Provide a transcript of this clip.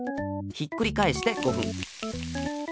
ひっくりかえして５ふん。